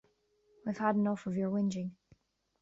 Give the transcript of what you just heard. I've had enough of your whinging.